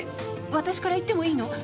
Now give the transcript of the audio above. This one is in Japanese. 私から言ってもいいの？